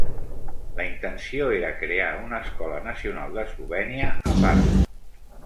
La intenció era crear una escola nacional d'Eslovènia a Parma.